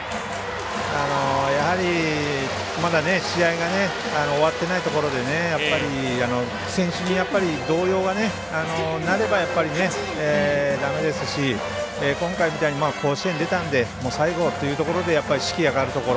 やはり、まだ試合が終わってないところで選手に動揺を与えるのはだめですし今回みたいに甲子園出たので最後というので士気が変わるところ。